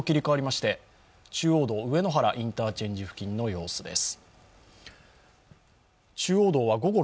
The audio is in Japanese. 中央道・上野原インターチェンジ付近の様子です。